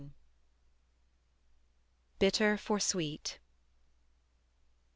BITTER FOR SWEET.